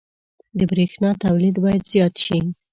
• د برېښنا تولید باید زیات شي.